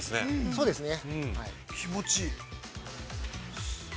◆そうですね。